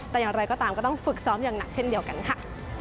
แต่อย่างไรก็ตามก็ต้องฝึกซ้อมอย่างหนักเช่นเดียวกันค่ะ